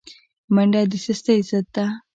منډه د سستۍ ضد ده